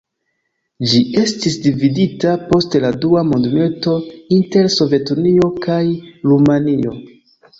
Ĝi estis dividita post la dua mondmilito inter Sovetunio kaj Rumanio.